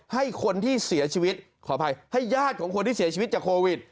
ให้คนที่เสียชีวิตขออภัยให้ญาติของคนที่เสียชีวิตจากโควิด